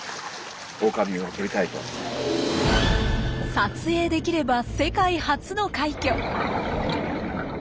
撮影できれば世界初の快挙。